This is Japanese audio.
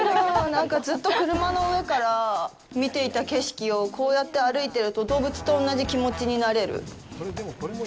なんかずっと車の上から見ていた景色をこうやって歩いてると動物と同じ気持ちになれる。